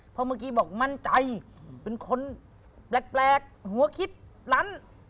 เพราะเมื่อกี้บอกมั่นใจเป็นคนแปลกหัวคิดลั้น